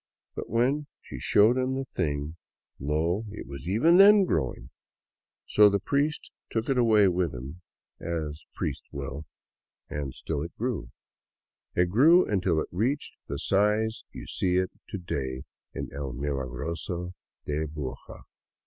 But when she showed him the thing, lo, it was even then growing ! So the priest took it away with him — as priests 76 ALONG THE CAUCA VALLEY will — and still it grew. It grew until it reached the size you see it to day in El Milagroso de Buga.